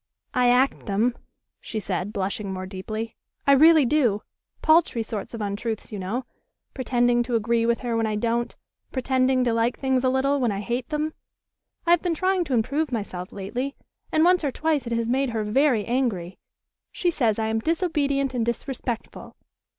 "I act them," she said, blushing more deeply. "I really do paltry sorts of untruths, you know; pretending to agree with her when I don't; pretending to like things a little when I hate them. I have been trying to improve myself lately, and once or twice it has made her very angry. She says I am disobedient and disrespectful.